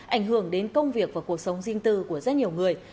ảnh hưởng đến công việc và cuộc sống riêng tư của rất nhiều người